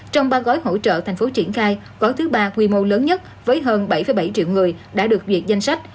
trong ba gói hỗ trợ thành phố triển khai gói thứ ba quy mô lớn nhất với hơn bảy bảy triệu người đã được duyệt danh sách